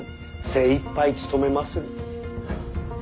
精いっぱい務めまする。